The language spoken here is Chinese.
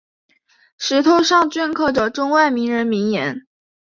石头上镌刻着中外名人名言。